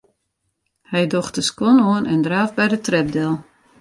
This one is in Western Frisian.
Hy docht de skuon oan en draaft by de trep del.